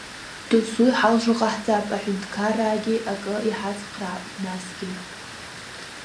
Досу иҳалшо ҟаҳҵап, аҳәынҭқараагьы акы иҳацхраап, насгьы…